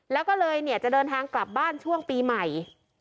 แล้วก็เลยเนี่ยจะเดินทางกลับบ้านช่วงปีใหม่